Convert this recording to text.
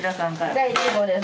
第１号です